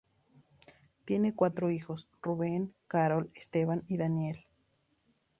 Tiene cuatro hijos, Ruben, Carol, Esteban y Daniel.